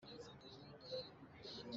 Na ke a rim tuk.